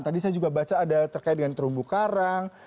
tadi saya juga baca ada terkait dengan terumbu karang